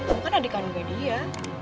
kamu kan adik kandungnya dia